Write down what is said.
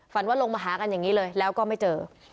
ว่าลงมาหากันอย่างนี้เลยแล้วก็ไม่เจอ